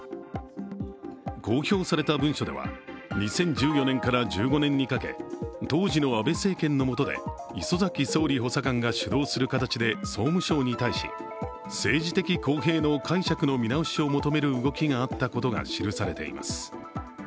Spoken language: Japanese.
公表された文書では２０１４年から１５年にかけ当時の安倍政権のもとで磯崎総理補佐官が主導する形で総務省に対し、政治的公平の解釈の見直しを求める動きがあったことが記されています。